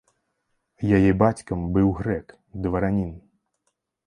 Яе бацькам быў грэк, дваранін.